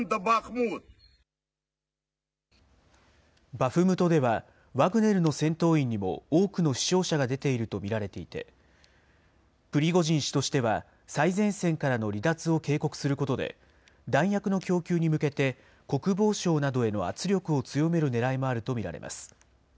バフムトでは、ワグネルの戦闘員にも多くの死傷者が出ていると見られていて、プリゴジン氏としては、最前線からの離脱を警告することで、弾薬の供給に向けて国防省などへの圧力を強めるねらいもあると見られます。